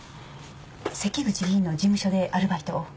関口議員の事務所でアルバイトを。